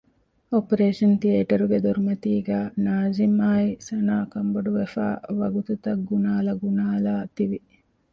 އޮޕަރޭޝަން ތިއޭޓަރގެ ދޮރުމަތީގައި ނާޒިމްއާއި ސަނާ ކަންބޮޑުވެފައި ވަގުތުތައް ގުނާލަ ގުނާލާ ތިވި